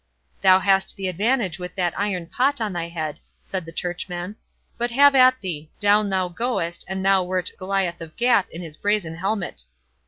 "Thou hast the advantage with that iron pot on thy head," said the churchman; "but have at thee—Down thou goest, an thou wert Goliath of Gath in his brazen helmet."